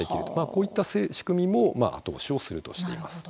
こういった仕組みも後押しをするとしています。